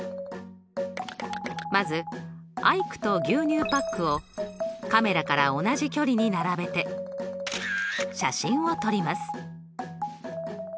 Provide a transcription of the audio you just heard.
まずアイクと牛乳パックをカメラから同じ距離に並べて写真を撮ります。